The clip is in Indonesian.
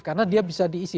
karena dia bisa diisi